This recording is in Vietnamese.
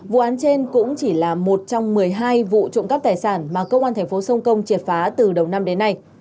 vụ án trên cũng chỉ là một trong một mươi hai vụ trộm cắt tài sản mà cơ quan tp sông công triệt phá từ đầu năm đến nay